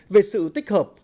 về sự tích hợp